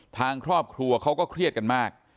ทางครอบครัวเขาก็เครียดกันมาก